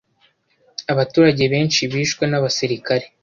Abaturage benshi bishwe n'abasirikare.